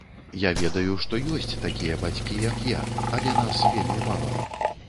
Я ведаю, што ёсць такія бацькі, як я, але нас вельмі мала.